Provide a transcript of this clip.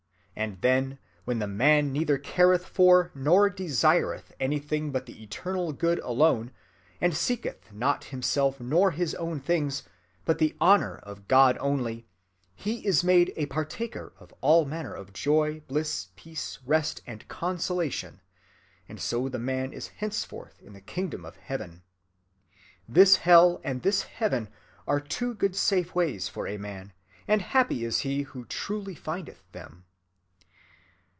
And then, when the man neither careth for nor desireth anything but the eternal Good alone, and seeketh not himself nor his own things, but the honour of God only, he is made a partaker of all manner of joy, bliss, peace, rest, and consolation, and so the man is henceforth in the kingdom of heaven. This hell and this heaven are two good safe ways for a man, and happy is he who truly findeth them."